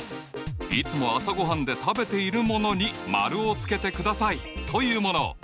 いつも朝ごはんで食べているものに丸をつけてくださいというもの。